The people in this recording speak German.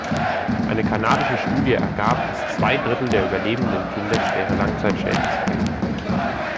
Eine kanadische Studie ergab, dass zwei Drittel der überlebenden Kinder schwere Langzeitschäden zeigen.